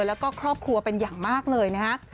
แล้วก็ครอบครัวเป็นอย่างมากเลยนะฮะ